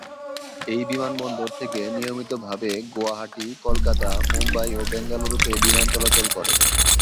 এই বিমানবন্দর থেকে নিয়মিতভাবে গুয়াহাটি, কলকাতা, মুম্বাই ও বেঙ্গালুরুতে বিমান চলাচল করে।